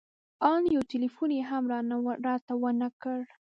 ان يو ټېلفون يې هم راته ونه کړ.